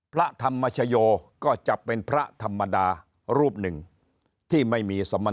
พระธรรมชโยก็จะเป็นพระธรรมดารูปหนึ่งที่ไม่มีสมร